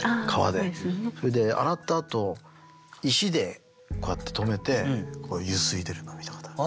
それで洗ったあと石でこうやって留めてゆすいでるのを見たことある。